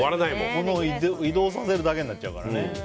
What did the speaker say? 物を移動させるだけになっちゃうからね。